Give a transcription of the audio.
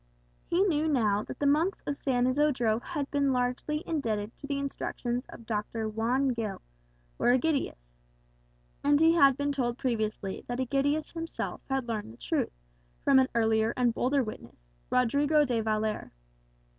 He knew now that the monks of San Isodro had been largely indebted to the instructions of Doctor Juan Gil, or Egidius. And he had been told previously that Egidius himself had learned the truth from an earlier and bolder witness, Rodrigo de Valer.